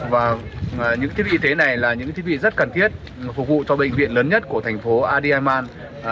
và những thiết bị y tế này là những thiết bị rất cần thiết phục vụ cho bệnh viện lớn nhất của thành phố adiman